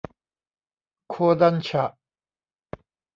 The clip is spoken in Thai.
โคดันฉะ